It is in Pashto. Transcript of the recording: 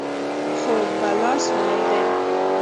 خو بلا سړى دى.